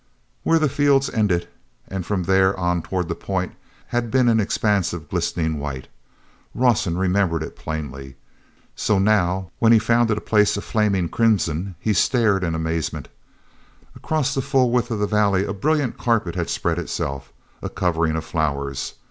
here the fields ended, and from there on toward the point, had been an expanse of glistening white. Rawson remembered it plainly. So now, when he found it a place of flaming crimson, he stared in amazement. Across the full width of the valley a brilliant carpet had spread itself, a covering of flowers.